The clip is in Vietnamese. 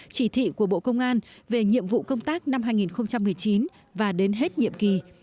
chỉ thị của bộ công an về nhiệm vụ công tác năm hai nghìn một mươi chín và đến hết nhiệm kỳ